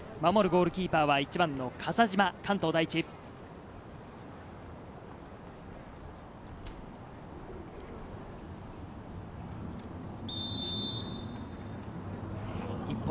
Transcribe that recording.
守るゴールキーパーは１番の笠島、関東第一。